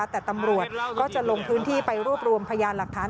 แต่ตำรวจก็จะลงพื้นที่ไปรวบรวมพยานหลักฐาน